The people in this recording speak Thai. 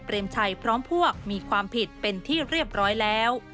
ชัยพร้อมพวกมีความผิดเป็นที่เรียบร้อยแล้ว